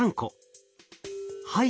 「はい」